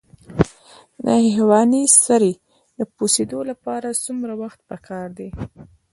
د حیواني سرې د پوسیدو لپاره څومره وخت پکار دی؟